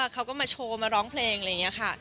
เขาก็มาโชว์มาร้องเพลงอะไรอย่างนี้ค่ะ